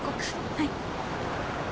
はい。